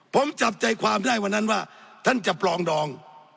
ผมจับใจความได้วันนั้นว่าท่านจะปลองดอง